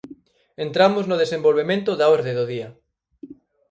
Entramos no desenvolvemento da orde do día.